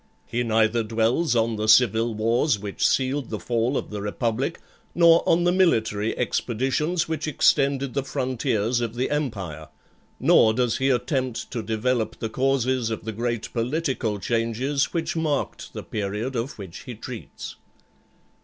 He neither dwells on the civil wars which sealed the fall of the Republic, nor on the military expeditions which extended the frontiers of the empire; nor does he attempt to develop the causes of the great political changes which marked the period of which he treats.